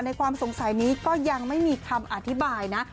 ความสงสัยนี้ก็ยังไม่มีคำอธิบายนะ